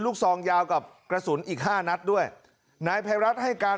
ซองยาวกับกระสุนอีกห้านัดด้วยนายภัยรัฐให้การ